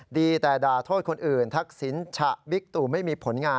ดีแต่ด่าโทษคนอื่นทักษิณฉะบิ๊กตู่ไม่มีผลงาน